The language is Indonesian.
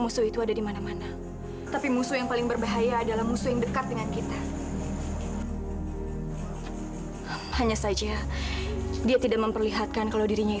sampai jumpa di video selanjutnya